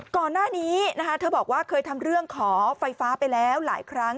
ก่อนหน้านี้นะคะเธอบอกว่าเคยทำเรื่องขอไฟฟ้าไปแล้วหลายครั้ง